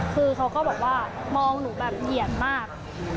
คือเขาก็บอกว่ามองหนูแบบเหยียดมาก